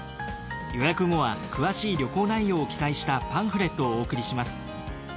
予約後は詳しい旅行内容を記載したパンフレットをお送りします。